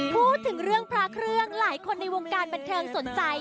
พูดถึงเรื่องพระเครื่องหลายคนในวงการบันเทิงสนใจ